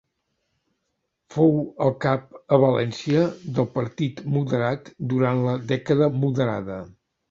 Fou el cap a València del Partit Moderat durant la Dècada Moderada.